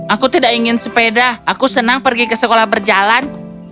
aku tidak ingin sepeda aku senang pergi ke sekolah berjalan